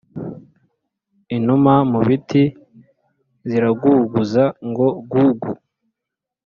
Inuma mu biti ziraguguza ngo gugu